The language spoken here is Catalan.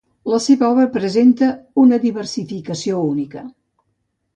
La seva obra presenta una diversificació única.